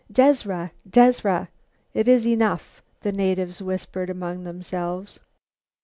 "Dezra! Dezra!" (It is enough!) the natives whispered among themselves.